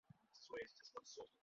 হুকুমের জোর কত সে তো জান তুমি।